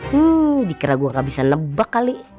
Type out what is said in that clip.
hmm dikira gue gak bisa lebak kali